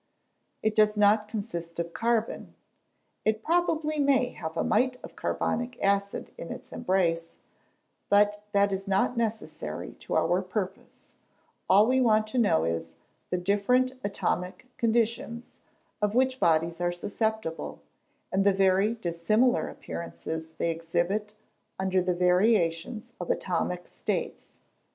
It does not consist of carbon it probably may have a mite of carbonic acid in its embrace but that is not necessary to our purpose: all we want to know is, the different atomic conditions of which bodies are susceptible, and the very dissimilar appearances they exhibit under the variations of atomic states.